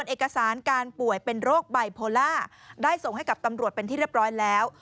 เอกสารการป่วยเป็นโรคไบโพล่าได้ส่งให้กับตำรวจเป็นที่เรียบร้อยแล้ว